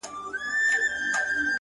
چي د ملا خبري پټي ساتي’